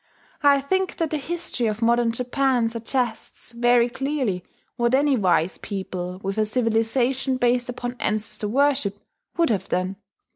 I think that the history of modern Japan suggests very clearly what any wise people, with a civilization based upon ancestor worship, would have done.